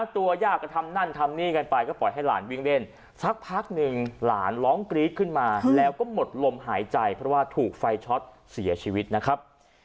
ตัวย่าก็ทำนั่นทำนี่กันไปก็ปล่อยให้หลานวิ่งเล่นสักพักหนึ่งหลานร้องกรี๊ดขึ้นมาแล้วก็หมดลมหายใจเพราะว่าถูกไฟช็อตเสียชีวิตนะครับ